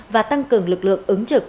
và tăng cường lực lượng ứng trực